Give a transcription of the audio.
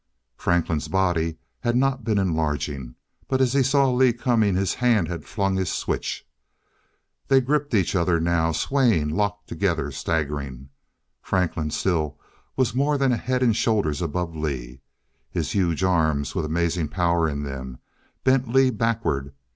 Franklin's body had not been enlarging, but as he saw Lee coming, his hand had flung his switch. They gripped each other now, swaying, locked together, staggering. Franklin still was more than head and shoulders above Lee. His huge arms, with amazing power in them, bent Lee backward.